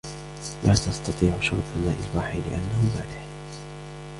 لا تستطيع شرب ماء البحر لأنه مالح.